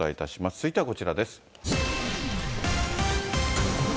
続いてはこちらです。